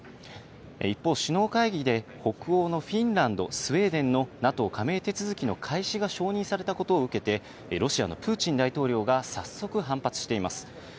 一方、首脳会議で北欧のフィンランド、スウェーデンのＮＡＴＯ加盟手続きの開始が承認されたことを受けて、ロシアのプーチン大統領が早速反発しています。